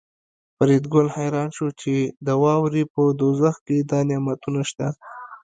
فریدګل حیران شو چې د واورې په دوزخ کې دا نعمتونه شته